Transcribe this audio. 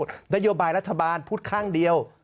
นโยบายรัฐบาลพูดข้างเดียว